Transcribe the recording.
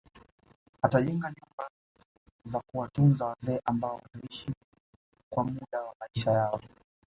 Atajenga nyumba za kuwatunza wazee ambao wataishi kwa muda wa maisha yao